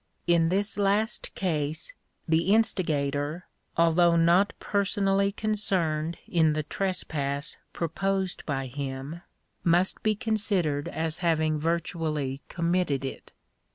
In this last case, the instigator, although not personally concerned in the trespass proposed by him, must be considered as having virtually com mitted it.